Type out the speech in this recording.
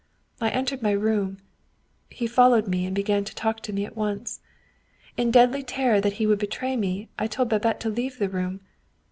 I entered my room ; he followed me and began to talk to me at once. In deadly terror that he would betray me, I told Babette to leave the room.